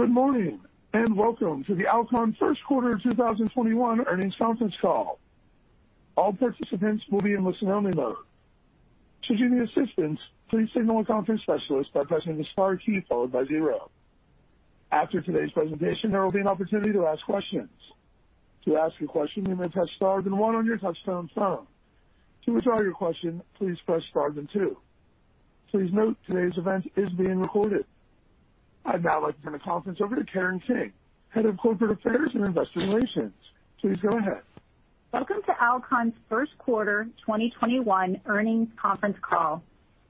Good morning, and welcome to the Alcon first quarter 2021 earnings conference call. All participants will be in listen-only mode. Should you need assistance, please signal a conference specialist by pressing the star key followed by zero. After today's presentation, there will be an opportunity to ask questions. To ask a question, you may press star then one on your touchtone phone. To withdraw your question, please press star then two. Please note today's event is being recorded. I'd now like to turn the conference over to Karen King, Head of Corporate Affairs and Investor Relations. Please go ahead. Welcome to Alcon's first quarter 2021 earnings conference call.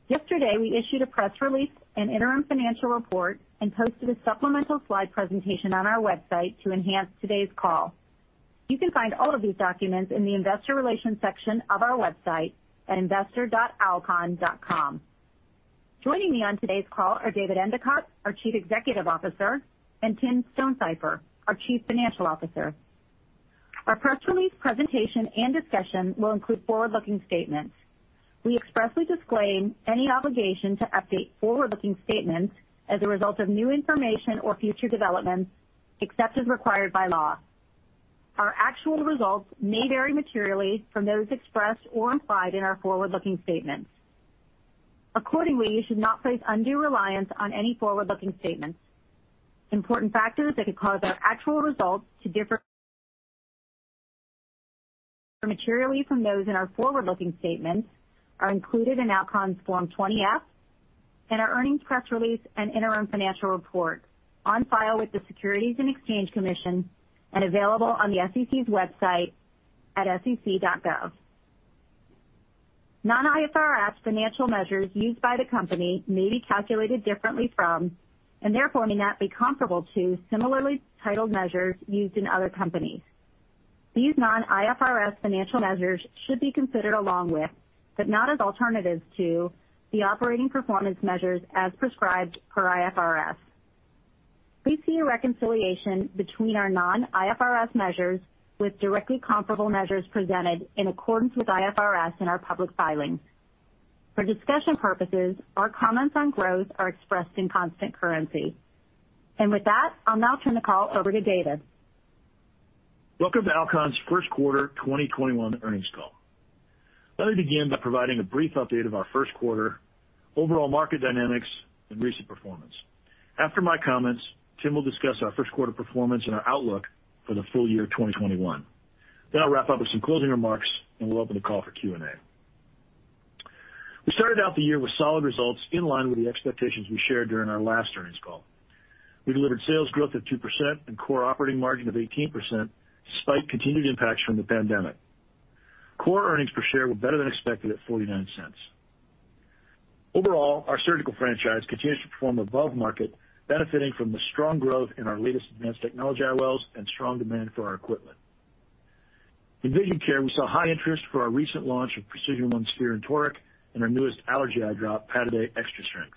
Yesterday, we issued a press release and interim financial report and posted a supplemental slide presentation on our website to enhance today's call. You can find all of these documents in the investor relations section of our website at investor.alcon.com. Joining me on today's call are David Endicott, our Chief Executive Officer, and Tim Stonesifer, our Chief Financial Officer. Our press release presentation and discussion will include forward-looking statements. We expressly disclaim any obligation to update forward-looking statements as a result of new information or future developments except as required by law. Our actual results may vary materially from those expressed or implied in our forward-looking statements. Accordingly, you should not place undue reliance on any forward-looking statements. Important factors that could cause our actual results to differ materially from those in our forward-looking statements are included in Alcon's Form 20-F and our earnings press release and interim financial report on file with the Securities and Exchange Commission and available on the SEC's website at sec.gov. Non-IFRS financial measures used by the company may be calculated differently from, and therefore may not be comparable to, similarly titled measures used in other companies. These non-IFRS financial measures should be considered along with, but not as alternatives to, the operating performance measures as prescribed per IFRS. We see a reconciliation between our non-IFRS measures with directly comparable measures presented in accordance with IFRS in our public filings. For discussion purposes, our comments on growth are expressed in constant currency. With that, I'll now turn the call over to David. Welcome to Alcon's first quarter 2021 earnings call. Let me begin by providing a brief update of our first quarter overall market dynamics and recent performance. After my comments, Tim will discuss our first quarter performance and our outlook for the full year 2021. I'll wrap up with some closing remarks, and we'll open the call for Q&A. We started out the year with solid results in line with the expectations we shared during our last earnings call. We delivered sales growth of 2% and core operating margin of 18% despite continued impacts from the pandemic. Core earnings per share were better than expected at $0.49. Overall, our surgical franchise continues to perform above market, benefiting from the strong growth in our latest Advanced Technology IOLs and strong demand for our equipment. In Vision Care, we saw high interest for our recent launch of PRECISION1 Sphere and Toric and our newest allergy eye drop, Pataday Extra Strength.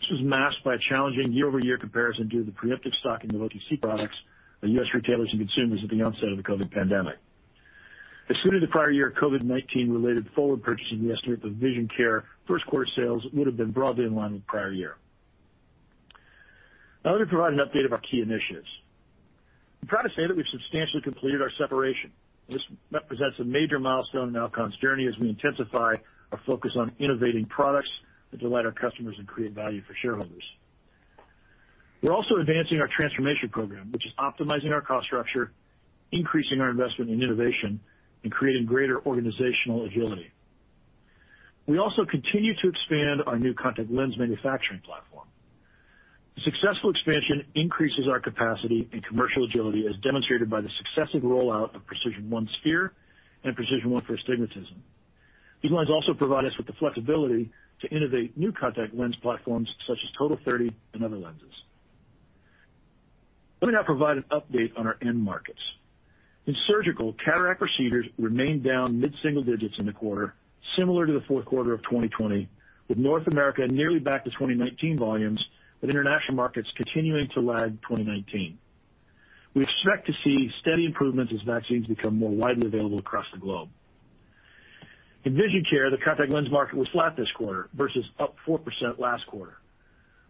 This was masked by a challenging year-over-year comparison due to the preemptive stocking of OTC products by U.S. retailers and consumers at the onset of the COVID-19 pandemic. Excluding the prior year COVID-19-related forward purchasing estimate for Vision Care, first quarter sales would have been broadly in line with prior year. Let me provide an update of our key initiatives. I'm proud to say that we've substantially completed our separation. This represents a major milestone in Alcon's journey as we intensify our focus on innovating products that delight our customers and create value for shareholders. We're also advancing our transformation program, which is optimizing our cost structure, increasing our investment in innovation, and creating greater organizational agility. We also continue to expand our new contact lens manufacturing platform. The successful expansion increases our capacity and commercial agility, as demonstrated by the successive rollout of PRECISION1 Sphere and PRECISION1 for Astigmatism. These lines also provide us with the flexibility to innovate new contact lens platforms such as TOTAL30 and other lenses. Let me now provide an update on our end markets. In surgical, cataract procedures remained down mid-single digits in the quarter, similar to the fourth quarter of 2020, with North America nearly back to 2019 volumes, with international markets continuing to lag 2019. We expect to see steady improvements as vaccines become more widely available across the globe. In Vision Care, the contact lens market was flat this quarter versus up 4% last quarter.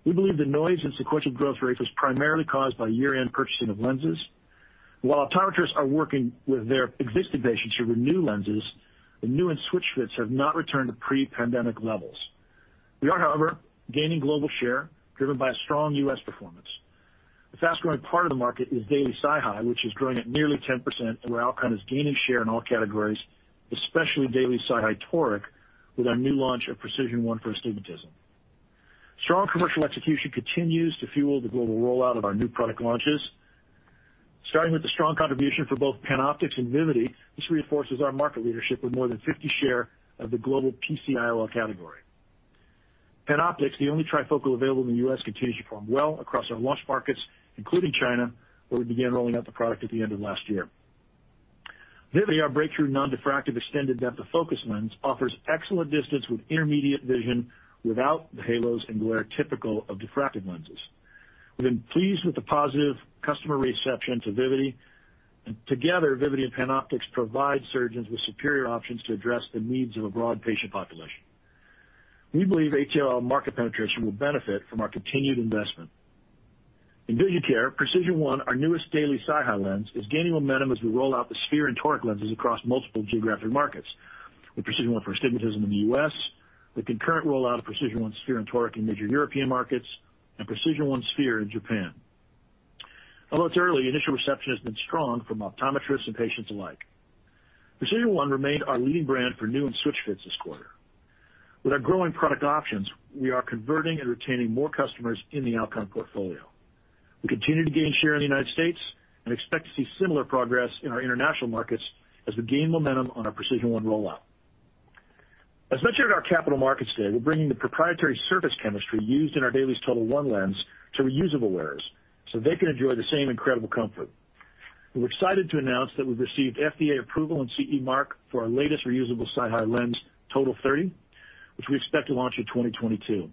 We believe the noise in sequential growth rate was primarily caused by year-end purchasing of lenses. While optometrists are working with their existing patients to renew lenses, the new and switch fits have not returned to pre-pandemic levels. We are, however, gaining global share driven by a strong U.S. performance. The fast-growing part of the market is daily SiHy, which is growing at nearly 10%, and where Alcon is gaining share in all categories, especially daily SiHy Toric with our new launch of PRECISION1 for Astigmatism. Strong commercial execution continues to fuel the global rollout of our new product launches. Starting with the strong contribution for both PanOptix and Vivity, this reinforces our market leadership with more than 50% share of the global PC-IOL category. PanOptix, the only trifocal available in the U.S., continues to perform well across our launch markets, including China, where we began rolling out the product at the end of last year. Vivity, our breakthrough non-diffractive extended depth of focus lens, offers excellent distance with intermediate vision without the halos and glare typical of diffractive lenses. We've been pleased with the positive customer reception to Vivity, and together, Vivity and PanOptix provide surgeons with superior options to address the needs of a broad patient population. We believe ATIOL market penetration will benefit from our continued investment. In Vision Care, PRECISION1, our newest daily SiHy lens, is gaining momentum as we roll out the Sphere and Toric lenses across multiple geographic markets, with PRECISION1 for Astigmatism in the U.S., the concurrent rollout of PRECISION1 Sphere and Toric in major European markets, and PRECISION1 Sphere in Japan. It's early, initial reception has been strong from optometrists and patients alike. PRECISION1 remained our leading brand for new and switch fits this quarter. With our growing product options, we are converting and retaining more customers in the Alcon portfolio. We continue to gain share in the U.S. and expect to see similar progress in our international markets as we gain momentum on our PRECISION1 rollout. As mentioned at our Capital Markets Day, we're bringing the proprietary surface chemistry used in our DAILIES TOTAL1 lens to reusable wearers, so they can enjoy the same incredible comfort. We're excited to announce that we've received FDA approval and CE mark for our latest reusable SiHy lens, TOTAL30, which we expect to launch in 2022.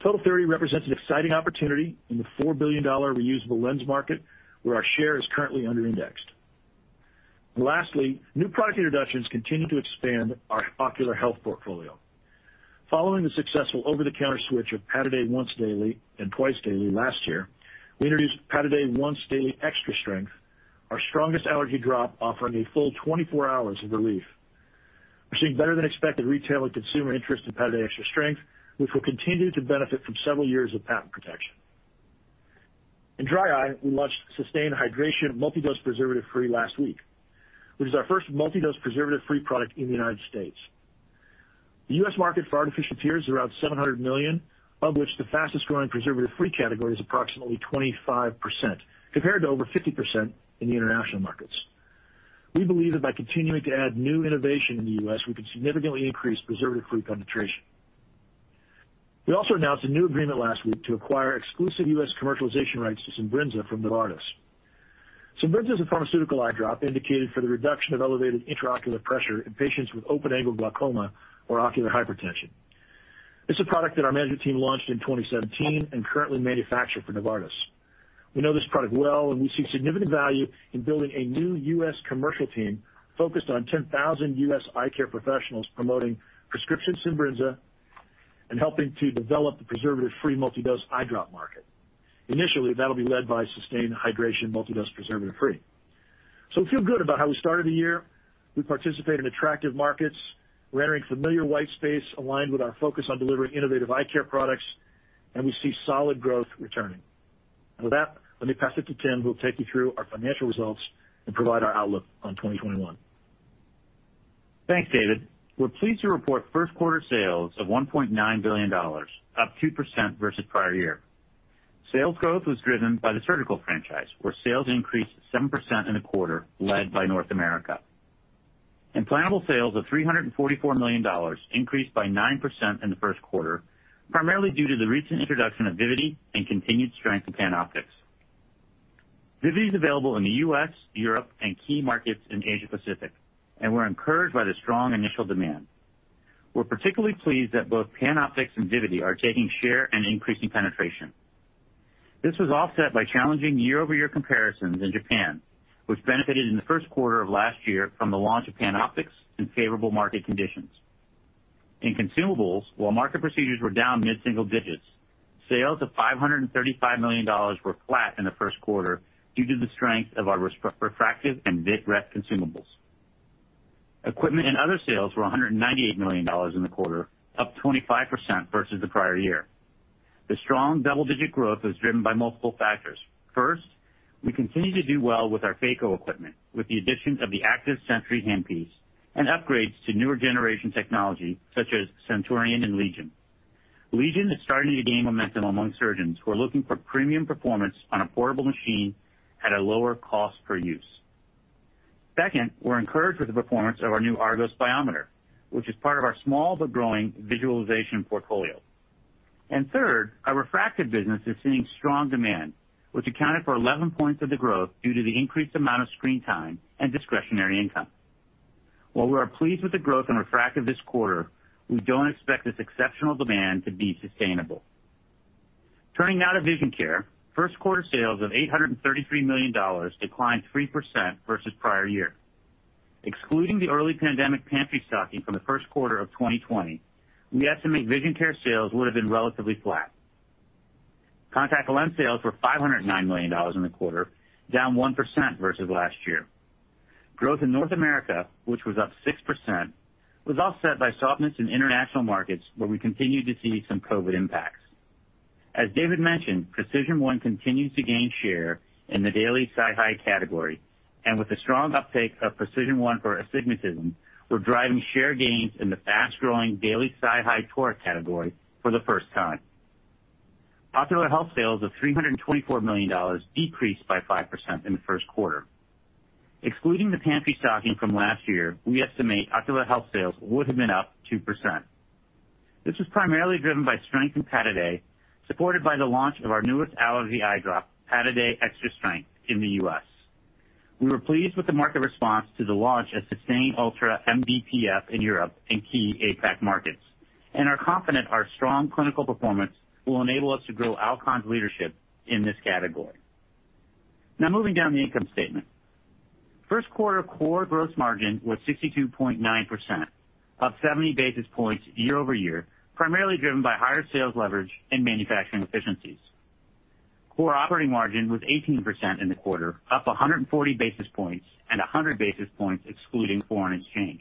TOTAL30 represents an exciting opportunity in the $4 billion reusable lens market, where our share is currently under-indexed. And lastly, new product introductions continue to expand our ocular health portfolio. Following the successful over-the-counter switch of Pataday once daily and twice daily last year, we introduced Pataday Once Daily Extra Strength, our strongest allergy drop offering a full 24 hours of relief. We're seeing better than expected retail and consumer interest in Pataday Extra Strength, which will continue to benefit from several years of patent protection. In dry eye, we launched Systane Hydration Multi-Dose Preservative Free last week, which is our first multi-dose preservative-free product in the U.S. The U.S. market for artificial tears is around $700 million, of which the fastest growing preservative-free category is approximately 25%, compared to over 50% in the international markets. We believe that by continuing to add new innovation in the U.S., we can significantly increase preservative-free penetration. We also announced a new agreement last week to acquire exclusive U.S. commercialization rights to Simbrinza from Novartis. Simbrinza is a pharmaceutical eye drop indicated for the reduction of elevated intraocular pressure in patients with open-angle glaucoma or ocular hypertension. It's a product that our management team launched in 2017 and currently manufacture for Novartis. We know this product well, and we see significant value in building a new U.S. commercial team focused on 10,000 U.S. eye care professionals promoting prescription Simbrinza and helping to develop the preservative-free multi-dose eye drop market. Initially, that'll be led by Systane Hydration Multi-Dose Preservative Free. We feel good about how we started the year. We participate in attractive markets. We're entering familiar white space aligned with our focus on delivering innovative eye care products, and we see solid growth returning. With that, let me pass it to Tim, who will take you through our financial results and provide our outlook on 2021. Thanks, David. We're pleased to report first quarter sales of $1.9 billion, up 2% versus prior year. Sales growth was driven by the surgical franchise, where sales increased 7% in the quarter, led by North America. Implantable sales of $344 million increased by 9% in the first quarter, primarily due to the recent introduction of Vivity and continued strength in PanOptix. Vivity is available in the U.S., Europe, and key markets in Asia Pacific, and we're encouraged by the strong initial demand. We're particularly pleased that both PanOptix and Vivity are taking share and increasing penetration. This was offset by challenging year-over-year comparisons in Japan, which benefited in the first quarter of last year from the launch of PanOptix and favorable market conditions. In consumables, while market procedures were down mid-single digits, sales of $535 million were flat in the first quarter due to the strength of our refractive and vitrectomy consumables. Equipment and other sales were $198 million in the quarter, up 25% versus the prior year. The strong double-digit growth was driven by multiple factors. First, we continue to do well with our phaco equipment, with the addition of Active Sentry handpiece and upgrades to newer generation technology such as Centurion and Legion. Legion is starting to gain momentum among surgeons who are looking for premium performance on a portable machine at a lower cost per use. Second, we're encouraged with the performance of our new ARGOS biometer, which is part of our small but growing visualization portfolio. Third, our refractive business is seeing strong demand, which accounted for 11 points of the growth due to the increased amount of screen time and discretionary income. While we are pleased with the growth in refractive this quarter, we don't expect this exceptional demand to be sustainable. Turning now to Vision Care, first quarter sales of $833 million declined 3% versus prior year. Excluding the early pandemic pantry stocking from the first quarter of 2020, we estimate Vision Care sales would have been relatively flat. Contact lens sales were $509 million in the quarter, down 1% versus last year. Growth in North America, which was up 6%, was offset by softness in international markets where we continued to see some COVID impacts. As David mentioned, PRECISION1 continues to gain share in the daily SiHy category, and with the strong uptake of PRECISION1 for Astigmatism, we're driving share gains in the fast-growing daily SiHy Toric category for the first time. Ocular health sales of $324 million decreased by 5% in the first quarter. Excluding the pantry stocking from last year, we estimate ocular health sales would have been up 2%. This was primarily driven by strength in Pataday, supported by the launch of our newest allergy eye drop, Pataday Extra Strength, in the U.S. We were pleased with the market response to the launch of Systane ULTRA Preservative-Free in Europe and key APAC markets, and are confident our strong clinical performance will enable us to grow Alcon's leadership in this category. Now moving down the income statement. First quarter core gross margin was 62.9%, up 70 basis points year-over-year, primarily driven by higher sales leverage and manufacturing efficiencies. Core operating margin was 18% in the quarter, up 140 basis points and 100 basis points excluding foreign exchange.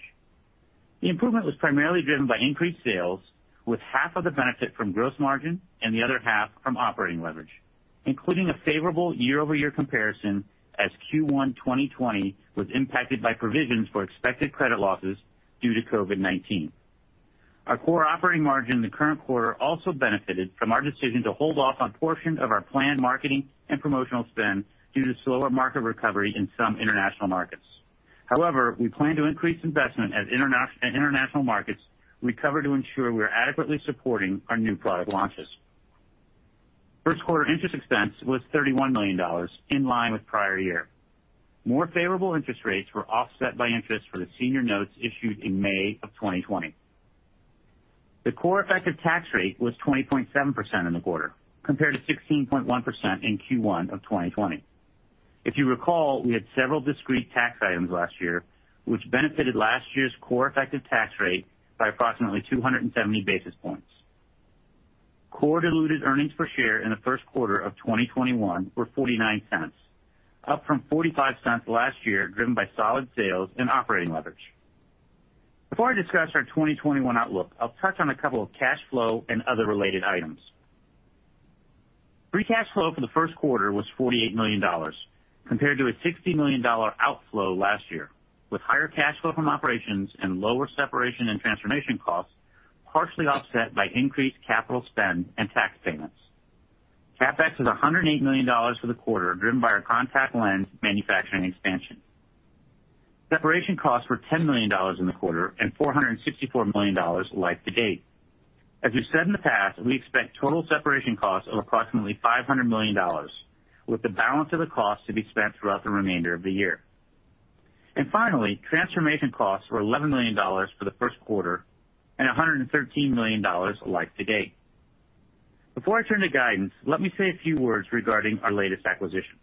The improvement was primarily driven by increased sales, with half of the benefit from gross margin and the other half from operating leverage, including a favorable year-over-year comparison as Q1 2020 was impacted by provisions for expected credit losses due to COVID-19. Our core operating margin in the current quarter also benefited from our decision to hold off on portion of our planned marketing and promotional spend due to slower market recovery in some international markets. We plan to increase investment as international markets recover to ensure we are adequately supporting our new product launches. First quarter interest expense was $31 million, in line with prior year. More favorable interest rates were offset by interest for the senior notes issued in May of 2020. The core effective tax rate was 20.7% in the quarter, compared to 16.1% in Q1 of 2020. If you recall, we had several discrete tax items last year, which benefited last year's core effective tax rate by approximately 270 basis points. Core diluted earnings per share in the first quarter of 2021 were $0.49, up from $0.45 last year, driven by solid sales and operating leverage. Before I discuss our 2021 outlook, I will touch on a couple of cash flow and other related items. Free cash flow for the first quarter was $48 million compared to a $60 million outflow last year, with higher cash flow from operations and lower separation and transformation costs, partially offset by increased capital spend and tax payments. CapEx was $108 million for the quarter, driven by our contact lens manufacturing expansion. Separation costs were $10 million in the quarter and $464 million year-to-date. As we've said in the past, we expect total separation costs of approximately $500 million, with the balance of the cost to be spent throughout the remainder of the year. Finally, transformation costs were $11 million for the first quarter and $113 million year-to-date. Before I turn to guidance, let me say a few words regarding our latest acquisition.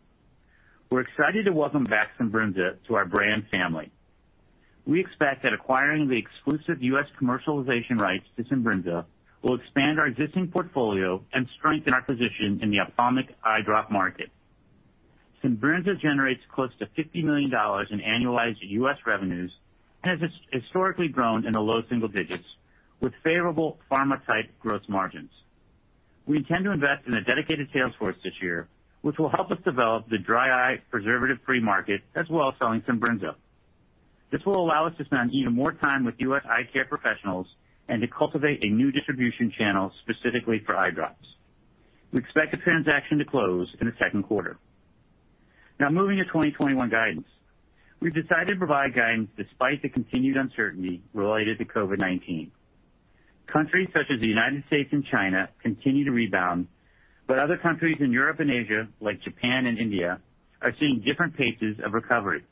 We're excited to welcome back Simbrinza to our brand family. We expect that acquiring the exclusive U.S. commercialization rights to Simbrinza will expand our existing portfolio and strengthen our position in the ophthalmic eye drop market. Simbrinza generates close to $50 million in annualized U.S. revenues and has historically grown in the low single digits with favorable pharma-type gross margins. We intend to invest in a dedicated sales force this year, which will help us develop the dry eye preservative-free market, as well as selling Simbrinza. This will allow us to spend even more time with U.S. eye care professionals and to cultivate a new distribution channel specifically for eye drops. We expect the transaction to close in the second quarter. Moving to 2021 guidance. We've decided to provide guidance despite the continued uncertainty related to COVID-19. Countries such as the United States and China continue to rebound, but other countries in Europe and Asia, like Japan and India, are seeing different paces of recovery.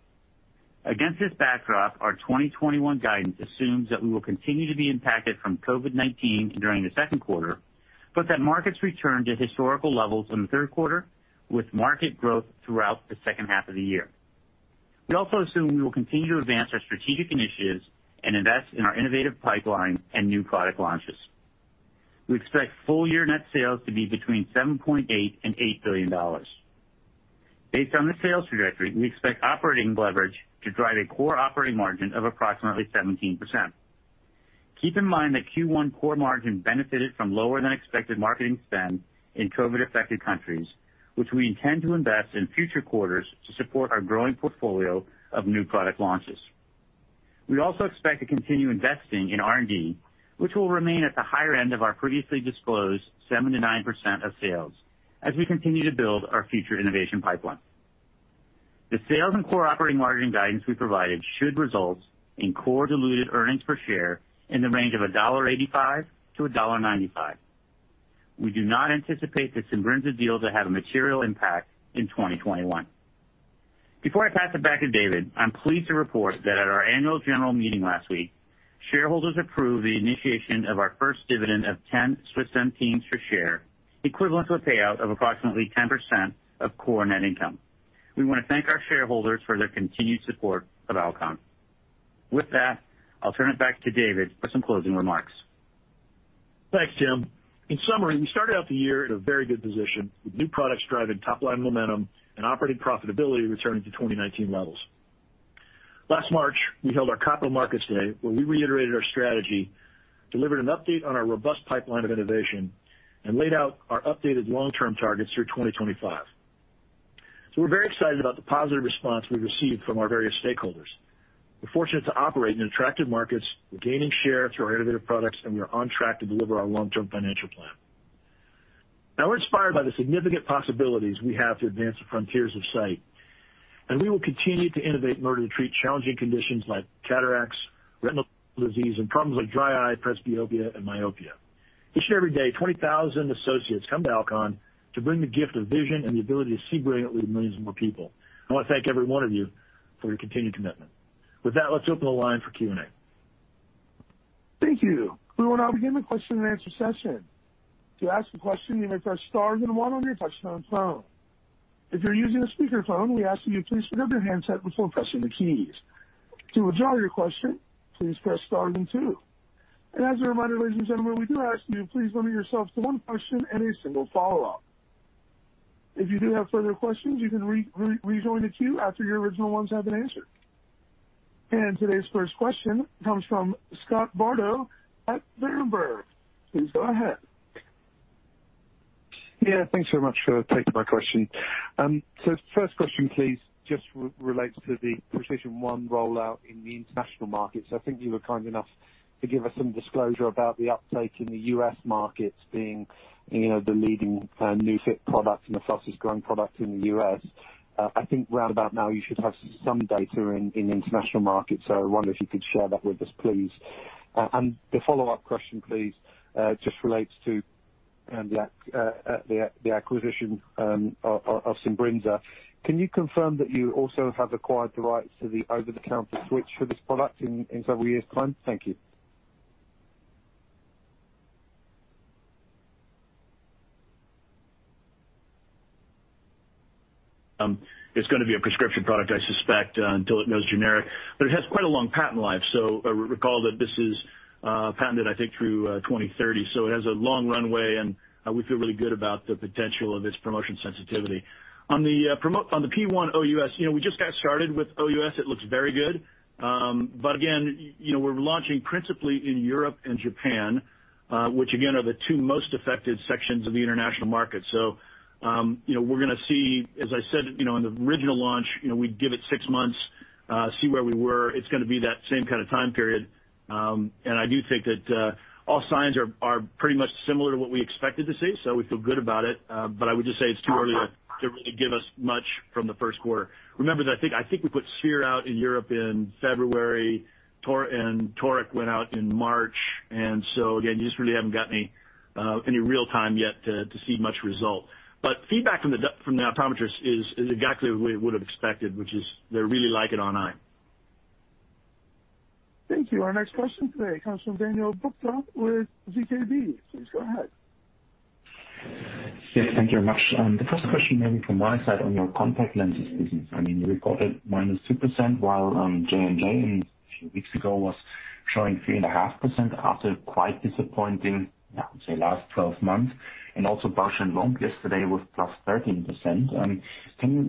Against this backdrop, our 2021 guidance assumes that we will continue to be impacted from COVID-19 during the second quarter, but that markets return to historical levels in the third quarter, with market growth throughout the second half of the year. We also assume we will continue to advance our strategic initiatives and invest in our innovative pipeline and new product launches. We expect full year net sales to be between $7.8 billion and $8 billion. Based on the sales trajectory, we expect operating leverage to drive a core operating margin of approximately 17%. Keep in mind that Q1 core margin benefited from lower than expected marketing spend in COVID-affected countries, which we intend to invest in future quarters to support our growing portfolio of new product launches. We also expect to continue investing in R&D, which will remain at the higher end of our previously disclosed 7%-9% of sales as we continue to build our future innovation pipeline. The sales and core operating margin guidance we provided should result in core diluted earnings per share in the range of $1.85-$1.95. We do not anticipate the Simbrinza deal to have a material impact in 2021. Before I pass it back to David, I'm pleased to report that at our annual general meeting last week, shareholders approved the initiation of our first dividend of 0.10 per share, equivalent to a payout of approximately 10% of core net income. We want to thank our shareholders for their continued support of Alcon. With that, I'll turn it back to David for some closing remarks. Thanks, Tim. In summary, we started out the year in a very good position with new products driving top-line momentum and operating profitability returning to 2019 levels. Last March, we held our Capital Markets Day where we reiterated our strategy, delivered an update on our robust pipeline of innovation, and laid out our updated long-term targets through 2025. We're very excited about the positive response we received from our various stakeholders. We're fortunate to operate in attractive markets. We're gaining share through our innovative products, and we are on track to deliver our long-term financial plan. We're inspired by the significant possibilities we have to advance the frontiers of sight, and we will continue to innovate in order to treat challenging conditions like cataracts, retinal disease, and problems like dry eye, presbyopia, and myopia. Each and every day, 20,000 associates come to Alcon to bring the gift of vision and the ability to see brilliantly to millions more people. I wanna thank every one of you for your continued commitment. With that, let's open the line for Q&A. Thank you. We will now begin the question-and-answer session. To ask a question you may press star then one on your touchtone phone. If you're using a speaker phone we ask that please [inaudible] your handset before pressing the keys. To withdraw your question please press star then two. As a reminder, ladies and gentlemen, we do ask you to please limit yourself to one question and a single follow-up. If you do have further questions, you can rejoin the queue after your original ones have been answered. Today's first question comes from Scott Bardo at Berenberg. Please go ahead. Yeah, thanks so much for taking my question. First question, please, just relates to the PRECISION1 rollout in the international markets. I think you were kind enough to give us some disclosure about the update in the U.S. markets being, you know, the leading new fit product and the fastest-growing product in the U.S. I think roundabout now you should have some data in international markets, so I wonder if you could share that with us, please. The follow-up question, please, just relates to the acquisition of Simbrinza. Can you confirm that you also have acquired the rights to the over-the-counter switch for this product in several years' time? Thank you. It's gonna be a prescription product, I suspect, until it goes generic, but it has quite a long patent life. Recall that this is patented, I think, through 2030, it has a long runway, we feel really good about the potential of its promotion sensitivity. On the PRECISION1 OUS, you know, we just got started with OUS. It looks very good. Again, you know, we're launching principally in Europe and Japan, which again, are the two most affected sections of the international market. You know, we're gonna see, as I said, you know, in the original launch, you know, we'd give it six months, see where we were. It's gonna be that same kind of time period. I do think that all signs are pretty much similar to what we expected to see, so we feel good about it. I would just say it's too early to really give us much from the first quarter. Remember that I think we put Sphere out in Europe in February, and Toric went out in March. Again, you just really haven't got any real time yet to see much result. Feedback from the optometrists is exactly the way we would have expected, which is they really like it on eye. Thank you. Our next question today comes from Daniel Buchta with ZKB. Please go ahead. Yes, thank you very much. The first question maybe from my side on your contact lenses business. I mean, you reported -2% while J&J a few weeks ago was showing 3.5% after quite disappointing, yeah, I would say, last 12 months. Also Bausch + Lomb yesterday was +13%. Can you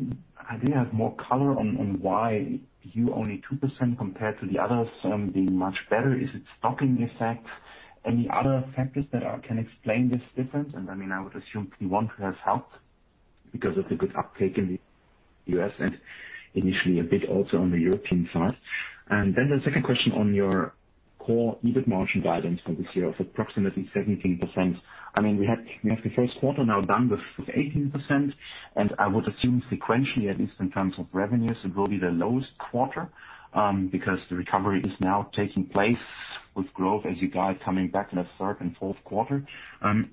do you have more color on why you only 2% compared to the others being much better? Is it stocking effects? Any other factors that can explain this difference? I mean, I would assume P-1 has helped because of the good uptake in the U.S. and initially a bit also on the European side. Then the second question on your core EBIT margin guidance for this year of approximately 17%. I mean, we have the first quarter now done with 18%, and I would assume sequentially, at least in terms of revenues, it will be the lowest quarter, because the recovery is now taking place with growth as you guide coming back in the third and fourth quarter.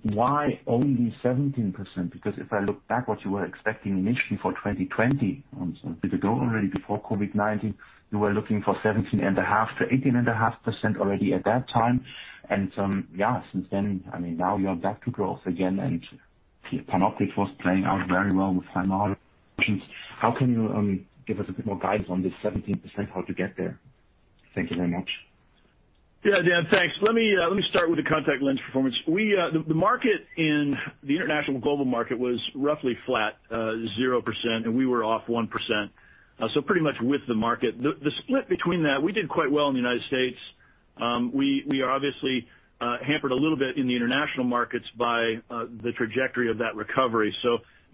Why only 17%? Because if I look back what you were expecting initially for 2020, so a bit ago already before COVID-19, you were looking for 17.5%-18.5% already at that time. Yeah, since then, I mean, now you are back to growth again, and PanOptix was playing out very well with high margins. How can you give us a bit more guidance on this 17%, how to get there? Thank you very much. Yeah, Dan, thanks. Let me start with the contact lens performance. We, the market in the international global market was roughly flat, 0%, and we were off 1%, so pretty much with the market. The split between that, we did quite well in the United States. We are obviously hampered a little bit in the international markets by the trajectory of that recovery.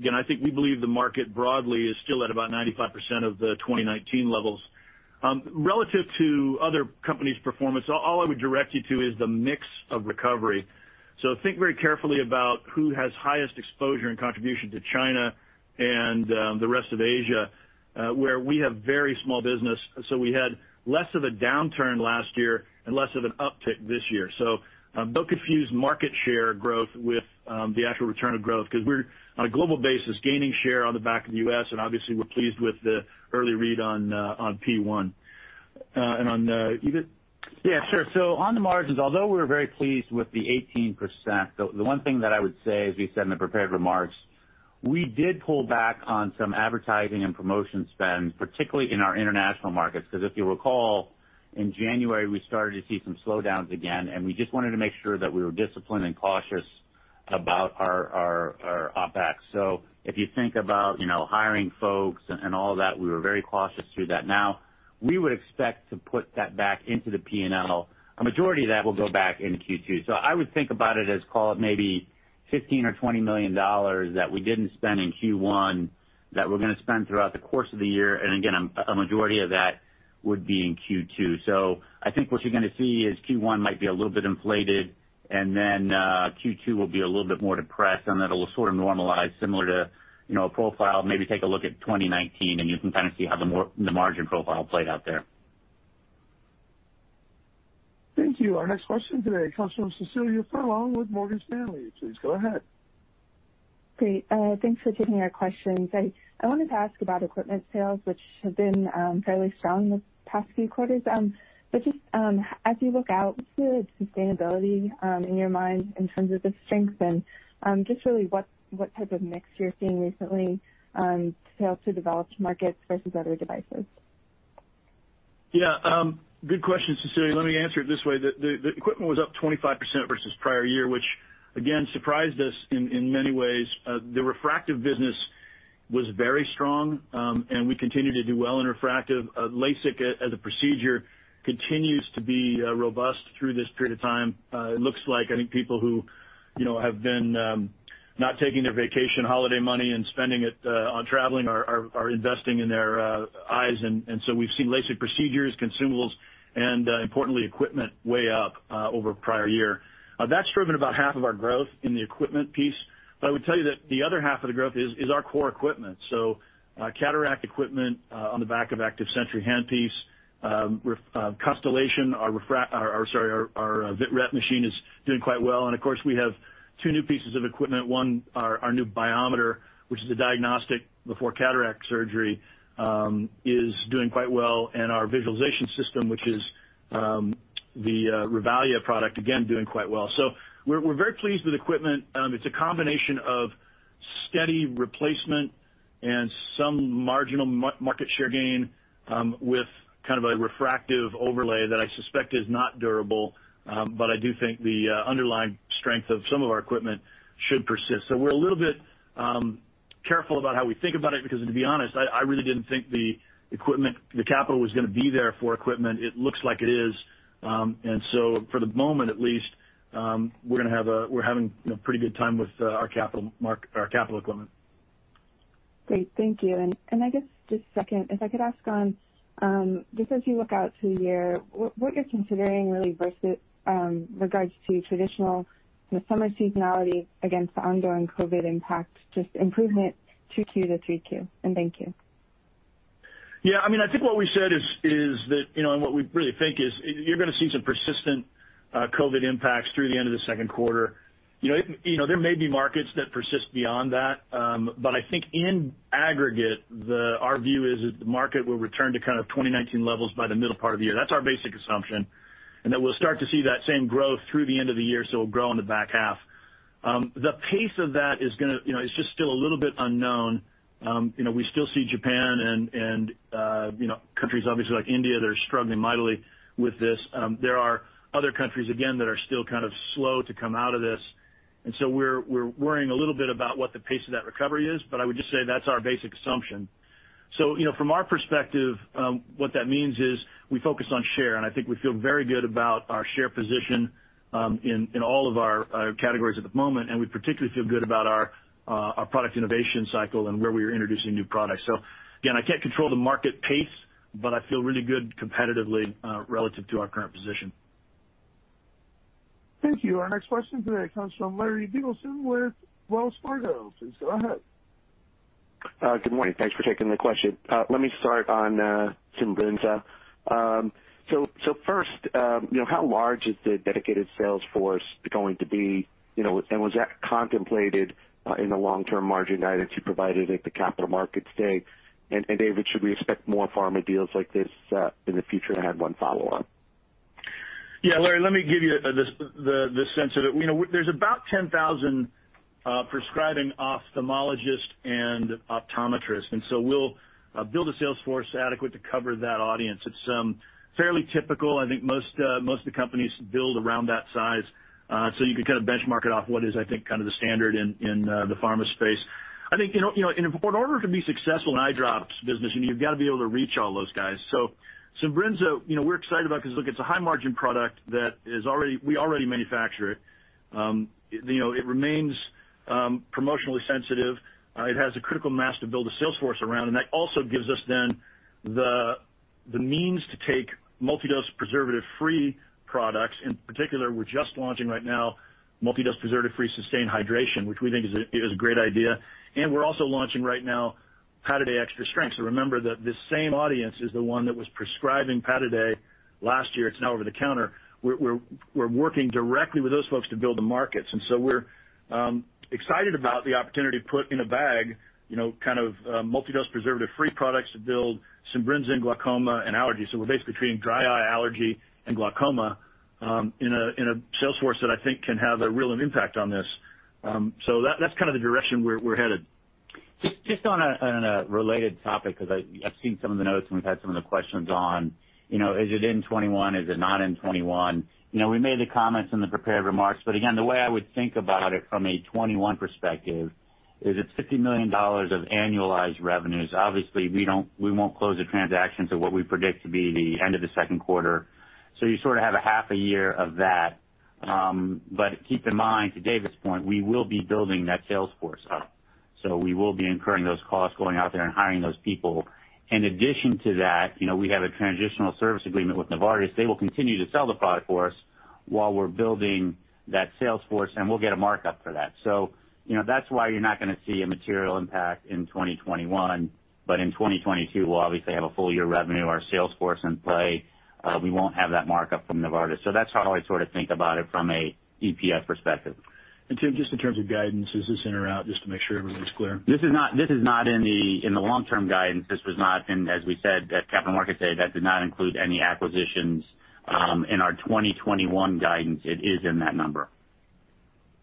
Again, I think we believe the market broadly is still at about 95% of the 2019 levels. Relative to other companies' performance, all I would direct you to is the mix of recovery. Think very carefully about who has highest exposure and contribution to China and the rest of Asia, where we have very small business. We had less of a downturn last year and less of an uptick this year. Don't confuse market share growth with the actual return of growth because we're, on a global basis, gaining share on the back of the U.S., and obviously, we're pleased with the early read on P-1. On the EBIT? Yeah, sure. On the margins, although we're very pleased with the 18%, the one thing that I would say, as we said in the prepared remarks, we did pull back on some advertising and promotion spend, particularly in our international markets. If you recall, in January, we started to see some slowdowns again, and we just wanted to make sure that we were disciplined and cautious about our OpEx. If you think about, you know, hiring folks and all that, we were very cautious through that. We would expect to put that back into the P&L. A majority of that will go back in Q2. I would think about it as call it maybe $15 million-$20 million that we didn't spend in Q1 that we're gonna spend throughout the course of the year. Again, a majority of that would be in Q2. I think what you're gonna see is Q1 might be a little bit inflated, and then Q2 will be a little bit more depressed, and then it'll sort of normalize similar to, you know, a profile. Maybe take a look at 2019, and you can kind of see how the margin profile played out there. Thank you. Our next question today comes from Cecilia Furlong with Morgan Stanley. Please go ahead. Great. Thanks for taking our questions. I wanted to ask about equipment sales, which have been fairly strong the past few quarters. Just as you look out to the sustainability in your mind in terms of the strength and just really what type of mix you're seeing recently, sales to developed markets versus other devices. Good question, Cecilia. Let me answer it this way, the equipment was up 25% versus prior year, which again, surprised us in many ways. The refractive business was very strong, we continue to do well in refractive. LASIK as a procedure continues to be robust through this period of time. It looks like any people who, you know, have been not taking their vacation holiday money and spending it on traveling are investing in their eyes. We've seen LASIK procedures, consumables, and importantly, equipment way up over prior year. That's driven about half of our growth in the equipment piece. I would tell you that the other half of the growth is our core equipment. Cataract equipment, on the back of Active Sentry handpiece, CONSTELLATION, our vitret machine is doing quite well. Of course, we have two new pieces of equipment. One, our new biometer, which is a diagnostic before cataract surgery, is doing quite well. Our visualization system, which is the Revalia product, again, doing quite well. We're very pleased with equipment. It's a combination of steady replacement and some marginal market share gain, with kind of a refractive overlay that I suspect is not durable. I do think the underlying strength of some of our equipment should persist. We're a little bit careful about how we think about it because to be honest, I really didn't think the equipment, the capital was gonna be there for equipment. It looks like it is. For the moment at least, we're having, you know, pretty good time with our capital equipment. Great. Thank you. I guess just second, if I could ask on, just as you look out to the year, what you're considering really versus, regards to traditional summer seasonality against the ongoing COVID impact, just improvement 2Q to 3Q? Thank you. Yeah. I mean, I think what we said is that, you know, and what we really think is you're gonna see some persistent COVID impacts through the end of the second quarter. You know, it, you know, there may be markets that persist beyond that, but I think in aggregate, our view is that the market will return to kind of 2019 levels by the middle part of the year. That's our basic assumption, that we'll start to see that same growth through the end of the year, so it'll grow in the back half. The pace of that is gonna, you know, is just still a little bit unknown. We still see Japan and, you know, countries obviously like India that are struggling mightily with this. There are other countries again, that are still kind of slow to come out of this. We're worrying a little bit about what the pace of that recovery is, but I would just say that's our basic assumption. You know, from our perspective, what that means is we focus on share, and I think we feel very good about our share position in all of our categories at the moment. We particularly feel good about our product innovation cycle and where we are introducing new products. Again, I can't control the market pace, but I feel really good competitively relative to our current position. Thank you. Our next question today comes from Larry Biegelsen with Wells Fargo. Please go ahead. Good morning. Thanks for taking the question. Let me start on Simbrinza. So first, you know, how large is the dedicated sales force going to be, you know, and was that contemplated in the long-term margin guidance you provided at the Capital Markets Day? David, should we expect more pharma deals like this in the future? I had one follow-up. Yeah, Larry, let me give you the sense of it. You know, there's about 10,000 prescribing ophthalmologists and optometrists, we'll build a sales force adequate to cover that audience. It's fairly typical. I think most of the companies build around that size, you can kind of benchmark it off what is, I think, kind of the standard in the pharma space. I think, you know, in order to be successful in eye drops business, you've gotta be able to reach all those guys. Simbrinza, you know, we're excited about because look, it's a high margin product that we already manufacture it. You know, it remains promotionally sensitive. It has a critical mass to build a sales force around, that also gives us then the means to take multi-dose preservative-free products. In particular, we're just launching right now multi-dose preservative-free Systane Hydration, which we think is a great idea. We're also launching right now Pataday Extra Strength. Remember that this same audience is the one that was prescribing Pataday last year. It's now over the counter. We're working directly with those folks to build the markets. So we're excited about the opportunity to put in a bag, you know, kind of, multi-dose preservative-free products to build Simbrinza in glaucoma and allergies. We're basically treating dry eye allergy and glaucoma, in a sales force that I think can have a real impact on this. That's kind of the direction we're headed. Just on a, on a related topic, I've seen some of the notes and we've had some of the questions on, you know, is it in 2021? Is it not in 2021? You know, we made the comments in the prepared remarks, again, the way I would think about it from a 2021 perspective is it's $50 million of annualized revenues. Obviously, we won't close the transaction till what we predict to be the end of the second quarter. You sort of have a half a year of that. Keep in mind, to David's point, we will be building that sales force up. We will be incurring those costs going out there and hiring those people. In addition to that, you know, we have a transitional service agreement with Novartis. They will continue to sell the product for us. While we're building that sales force, and we'll get a markup for that. You know, that's why you're not gonna see a material impact in 2021, but in 2022, we'll obviously have a full year revenue, our sales force in play. We won't have that markup from Novartis. That's how I sort of think about it from a EPS perspective. Tim, just in terms of guidance, is this in or out, just to make sure everyone's clear? This is not in the long-term guidance. This was not in, as we said at Capital Markets Day, that did not include any acquisitions in our 2021 guidance. It is in that number,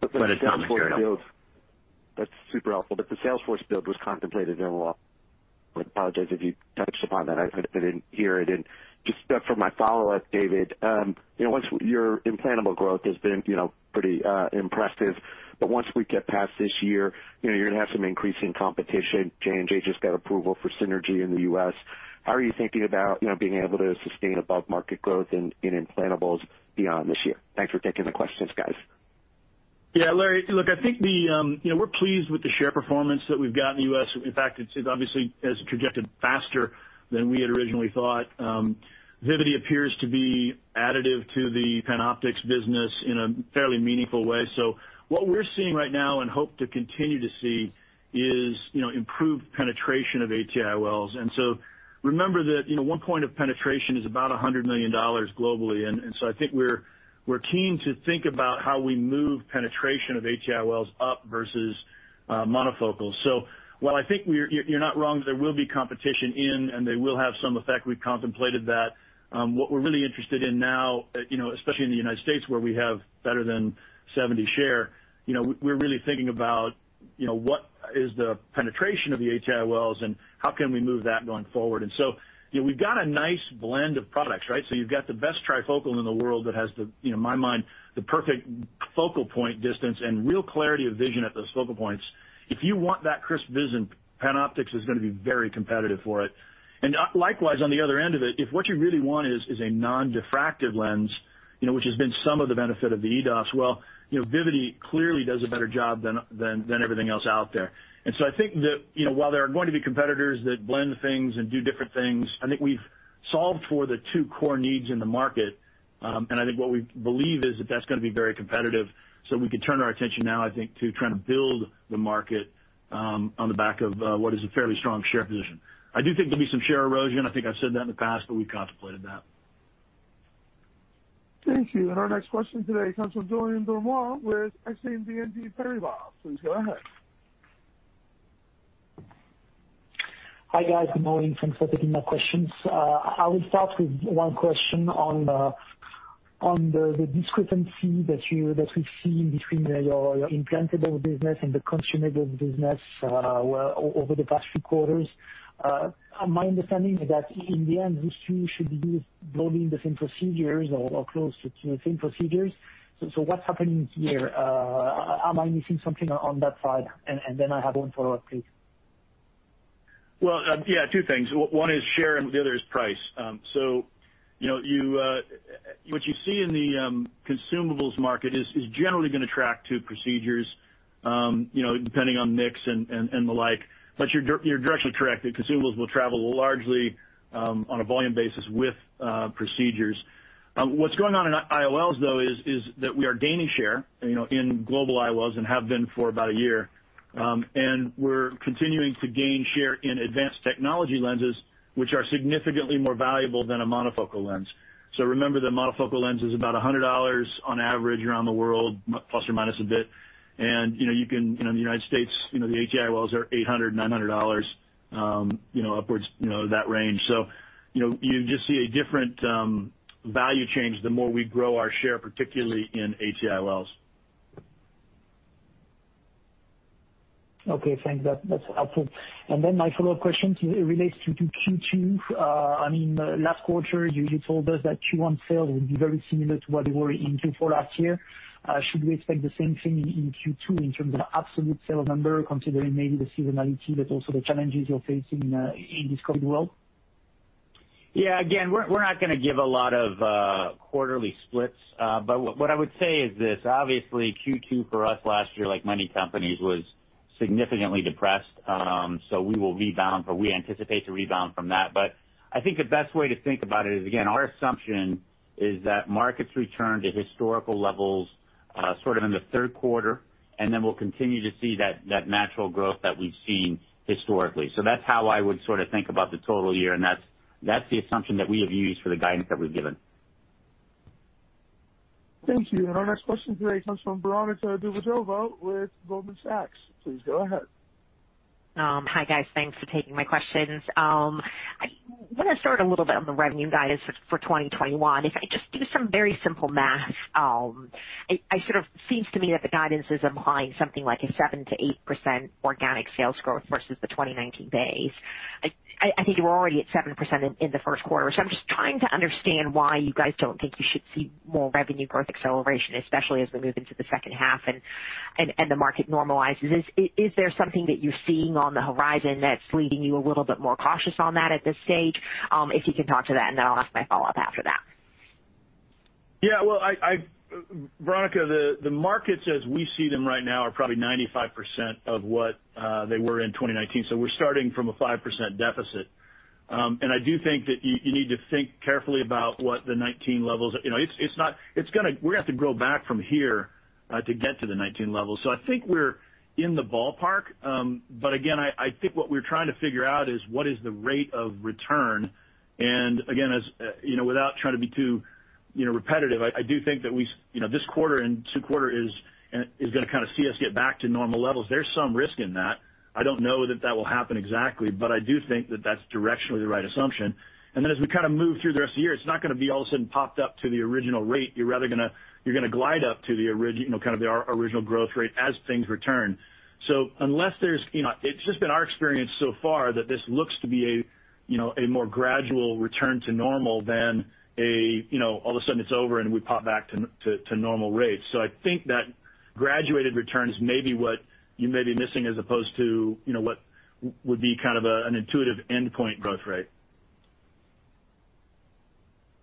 but it's not material. The sales force build That's super helpful. The sales force build was contemplated overall. I apologize if you touched upon that. I sort of didn't hear it. Just, for my follow-up, David, you know, once your implantable growth has been, you know, pretty impressive, but once we get past this year, you know, you're gonna have some increasing competition. J&J just got approval for TECNIS Synergy in the U.S. How are you thinking about, you know, being able to sustain above-market growth in implantables beyond this year? Thanks for taking the questions, guys. Larry, look, I think the, you know, we're pleased with the share performance that we've got in the U.S. In fact, it's obviously has trajected faster than we had originally thought. Vivity appears to be additive to the PanOptix business in a fairly meaningful way. What we're seeing right now and hope to continue to see is, you know, improved penetration of ATIOLs. Remember that, you know, one point of penetration is about $100 million globally. I think we're keen to think about how we move penetration of ATIOLs up versus monofocals. I think we're You're not wrong, there will be competition in, and they will have some effect. We've contemplated that. What we're really interested in now, you know, especially in the United States where we have better than 70% share, you know, we're really thinking about, you know, what is the penetration of the ATIOLs and how can we move that going forward. You know, we've got a nice blend of products, right? You've got the best trifocal in the world that has the, you know, in my mind, the perfect focal point distance and real clarity of vision at those focal points. If you want that crisp vision, PanOptix is gonna be very competitive for it. Likewise, on the other end of it, if what you really want is a non-diffractive lens, you know, which has been some of the benefit of the EDOF, well, you know, Vivity clearly does a better job than everything else out there. I think that, you know, while there are going to be competitors that blend things and do different things, I think we've solved for the two core needs in the market. I think what we believe is that that's gonna be very competitive, we can turn our attention now, I think, to trying to build the market on the back of what is a fairly strong share position. I do think there'll be some share erosion. I think I've said that in the past, we've contemplated that. Thank you. Our next question today comes from Julien Ouaddour with Exane BNP Paribas. Please go ahead. Hi, guys. Good morning. Thanks for taking my questions. I will start with one question on the discrepancy that we've seen between your implantable business and the consumable business over the past few quarters. My understanding is that in the end, these two should be building the same procedures or close to the same procedures. What's happening here? Am I missing something on that side? Then I have one follow-up, please. Yeah, two things. One is share, and the other is price. You know, you what you see in the consumables market is generally gonna track to procedures, you know, depending on mix and the like, but you're directionally correct. The consumables will travel largely on a volume basis with procedures. What's going on in IOLs though is that we are gaining share, you know, in global IOLs and have been for about a year. We're continuing to gain share in Advanced Technology lenses, which are significantly more valuable than a monofocal lens. Remember that monofocal lens is about $100 on average around the world, plus or minus a bit. You know, you can, you know, in the U.S., you know, the ATIOLs are $800-$900, you know, upwards, you know, that range. You know, you just see a different value change the more we grow our share, particularly in ATIOLs. Okay. Thanks. That's helpful. My follow-up question relates to Q2. I mean, last quarter, you told us that Q1 sales would be very similar to what they were in Q4 last year. Should we expect the same thing in Q2 in terms of absolute sales number, considering maybe the seasonality, but also the challenges you're facing in this COVID world? Again, we're not gonna give a lot of quarterly splits, but what I would say is this, obviously Q2 for us last year, like many companies, was significantly depressed. We will rebound, or we anticipate to rebound from that. I think the best way to think about it is, again, our assumption is that markets return to historical levels, sort of in the third quarter, and then we'll continue to see that natural growth that we've seen historically. That's how I would sort of think about the total year, and that's the assumption that we have used for the guidance that we've given. Thank you. Our next question today comes from Veronika Dubajova with Goldman Sachs. Please go ahead. Hi, guys. Thanks for taking my questions. I wanna start a little bit on the revenue guidance for 2021. If I just do some very simple math, it sort of seems to me that the guidance is implying something like a 7%-8% organic sales growth versus the 2019 base. I think you were already at 7% in the first quarter. I'm just trying to understand why you guys don't think you should see more revenue growth acceleration, especially as we move into the second half and the market normalizes. Is there something that you're seeing on the horizon that's leading you a little bit more cautious on that at this stage? If you can talk to that, and then I'll ask my follow-up after that. Well, I, Veronika, the markets as we see them right now are probably 95% of what they were in 2019, so we're starting from a 5% deficit. I do think that you need to think carefully about what the 2019 levels. You know, it's not, we're gonna have to grow back from here to get to the 2019 level. I think we're in the ballpark. Again, I think what we're trying to figure out is what is the rate of return. Again, as you know, without trying to be too, you know, repetitive, I do think that we, you know, this quarter and Q2 is gonna kind of see us get back to normal levels. There's some risk in that. I don't know that that will happen exactly, but I do think that that's directionally the right assumption. As we kind of move through the rest of the year, it's not gonna be all of a sudden popped up to the original rate. You're rather gonna glide up to the original growth rate as things return. Unless there's, you know, it's just been our experience so far that this looks to be a, you know, a more gradual return to normal than a, you know, all of a sudden it's over and we pop back to normal rates. I think that graduated returns may be what you may be missing as opposed to, you know, what would be kind of a, an intuitive endpoint growth rate.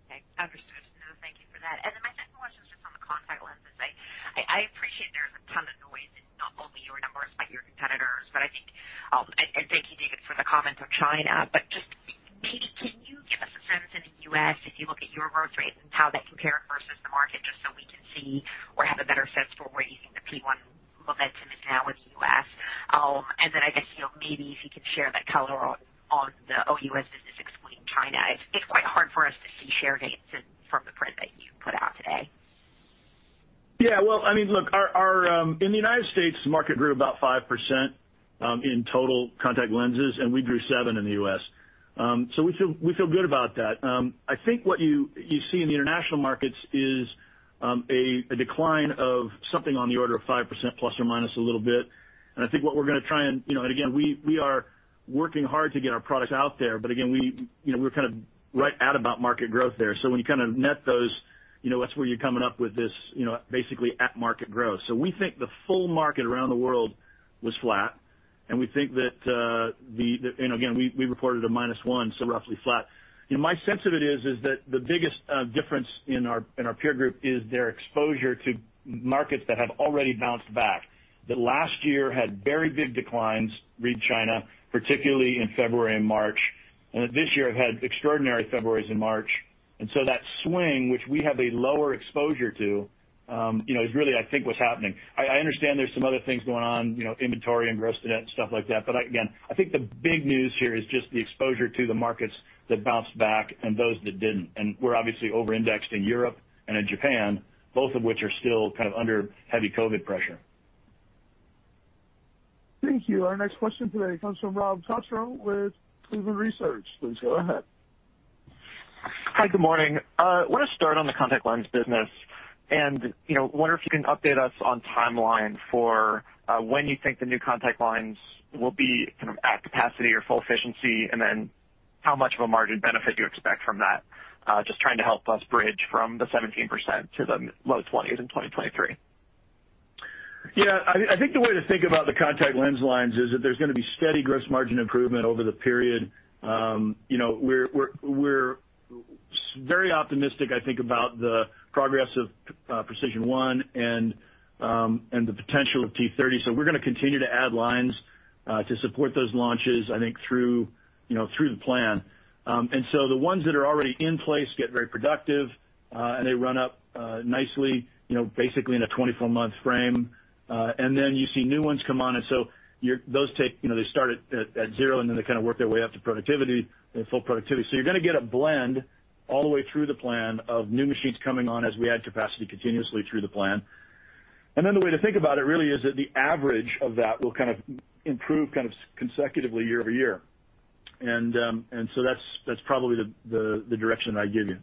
Okay. Understood. Thank you for that. My second question is just on the contact lenses. I appreciate there's a ton of noise in not only your numbers, but your competitors. I think, and thank you, David, for the comments on China. Just maybe can you give us a sense in the U.S. if you look at your growth rates and how that compared versus the market, just so we can see or have a better sense for where you think the P-1 momentum is now in the U.S.? I guess, you know, maybe if you could share that color on the OUS business excluding China. It's quite hard for us to see share gains in, from the print that you put out today. Well, I mean, look, our in the U.S., the market grew about 5% in total contact lenses. We grew 7% in the U.S. We feel good about that. I think what you see in the international markets is a decline of something on the order of 5%± a little bit. I think what we're gonna try and, you know, again, we are working hard to get our products out there. Again, we, you know, we're kind of right at about market growth there. When you kind of net those, you know, that's where you're coming up with this, you know, basically at market growth. We think the full market around the world was flat, and we think that we reported a -1, roughly flat. You know, my sense of it is that the biggest difference in our peer group is their exposure to markets that have already bounced back. That last year had very big declines, read China, particularly in February and March. This year have had extraordinary Februarys and March. That swing, which we have a lower exposure to, you know, is really I think what's happening. I understand there's some other things going on, you know, inventory and gross-to-net and stuff like that. I think the big news here is just the exposure to the markets that bounced back and those that didn't. We're obviously over-indexed in Europe and in Japan, both of which are still kind of under heavy COVID pressure. Thank you. Our next question today comes from Rob Cottrell with Cleveland Research. Please go ahead. Hi, good morning. want to start on the contact lens business. you know, wonder if you can update us on timeline for when you think the new contact lenses will be kind of at capacity or full efficiency, how much of a margin benefit do you expect from that? just trying to help us bridge from the 17% to the low 20s in 2023. Yeah. I think the way to think about the contact lens lines is that there's gonna be steady gross margin improvement over the period. You know, we're very optimistic, I think, about the progress of PRECISION1 and the potential of TOTAL30. We're gonna continue to add lines to support those launches, I think through, you know, through the plan. The ones that are already in place get very productive, and they run up nicely, you know, basically in a 24-month frame. You see new ones come on, those take, you know, they start at zero, and they kind of work their way up to productivity, full productivity. You're gonna get a blend all the way through the plan of new machines coming on as we add capacity continuously through the plan. The way to think about it really is that the average of that will kind of improve consecutively year-over-year. That's probably the direction that I'd give you.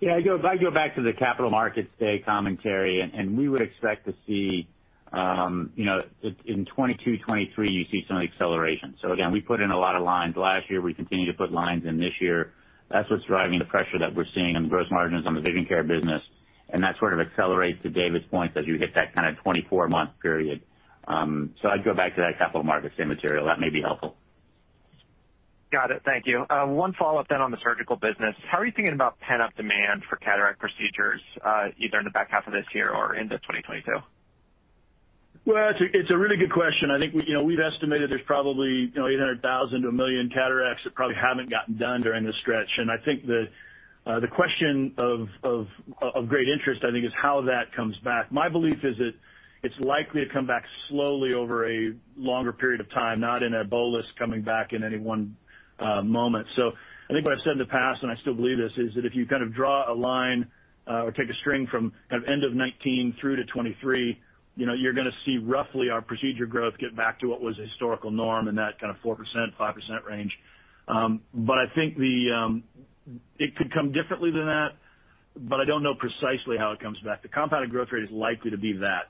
Yeah. If I go back to the Capital Markets Day commentary, and we would expect to see, you know, in 2022, 2023, you see some acceleration. Again, we put in a lot of lines last year. We continue to put lines in this year. That's what's driving the pressure that we're seeing on gross margins on the Vision Care business. That sort of accelerates to David's point as you hit that kind of 24-month period. I'd go back to that Capital Markets Day material. That may be helpful. Got it. Thank you. One follow up on the surgical business. How are you thinking about pent-up demand for cataract procedures, either in the back half of this year or into 2022? Well, it's a really good question. I think we, you know, we've estimated there's probably, you know, 800,000 to a million cataracts that probably haven't gotten done during this stretch. I think the question of great interest, I think, is how that comes back. My belief is that it's likely to come back slowly over a longer period of time, not in a bolus coming back in any one moment. I think what I've said in the past, and I still believe this, is that if you kind of draw a line or take a string from kind of end of 2019 through to 2023, you know, you're gonna see roughly our procedure growth get back to what was a historical norm in that kind of 4%-5% range. I think the, it could come differently than that, I don't know precisely how it comes back. The compounded growth rate is likely to be that.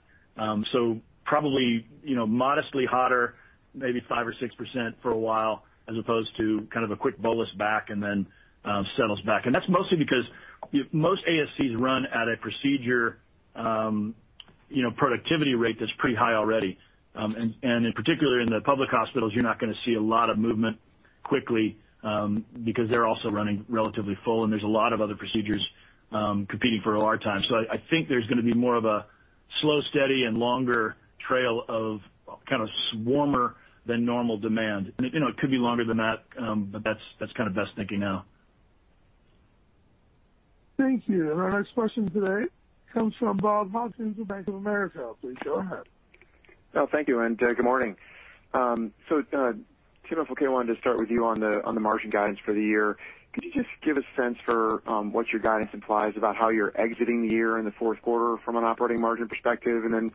Probably, you know, modestly hotter, maybe 5% or 6% for a while, as opposed to kind of a quick bolus back and then settles back. That's mostly because most ASCs run at a procedure, you know, productivity rate that's pretty high already. In particular, in the public hospitals, you're not gonna see a lot of movement quickly, because they're also running relatively full, and there's a lot of other procedures, competing for OR time. I think there's gonna be more of a slow, steady, and longer trail of kind of warmer than normal demand. It, you know, it could be longer than that, but that's kind of best thinking now. Thank you. Our next question today comes from Bob Hopkins with Bank of America. Please go ahead. Thank you, and good morning. Tim, wanted to start with you on the margin guidance for the year. Could you just give a sense for what your guidance implies about how you're exiting the year in the fourth quarter from an operating margin perspective? Then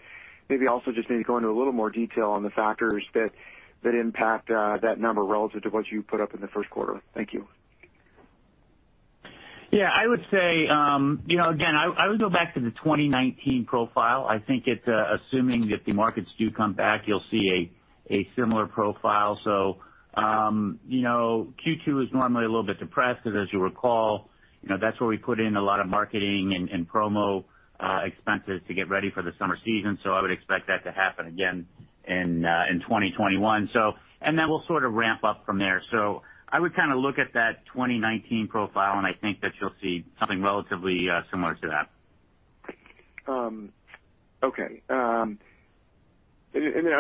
maybe also just maybe go into a little more detail on the factors that impact that number relative to what you put up in the first quarter. Thank you. I would say, you know, again, I would go back to the 2019 profile. I think it, assuming that the markets do come back, you'll see a similar profile. You know, Q2 is normally a little bit depressed because as you recall, you know, that's where we put in a lot of marketing and promo expenses to get ready for the summer season. I would expect that to happen again in 2021. Then we'll sort of ramp up from there. I would kind of look at that 2019 profile, and I think that you'll see something relatively similar to that. Are